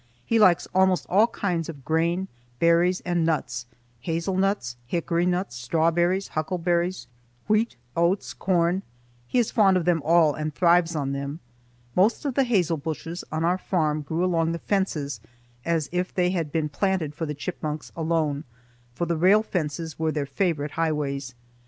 He likes almost all kinds of grain, berries, and nuts,—hazel nuts, hickory nuts, strawberries, huckleberries, wheat, oats, corn,—he is fond of them all and thrives on them. Most of the hazel bushes on our farm grew along the fences as if they had been planted for the chipmunks alone, for the rail fences were their favorite highways.